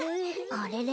あれれ？